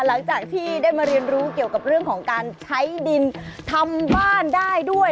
หลังจากที่ได้มาเรียนรู้เกี่ยวกับเรื่องของการใช้ดินทำบ้านได้ด้วย